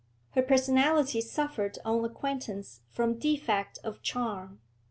Her personality suffered on acquaintance from defect of charm.